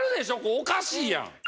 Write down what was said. おかしいやん。